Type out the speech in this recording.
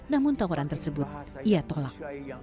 namun tawaran tersebut ia tolak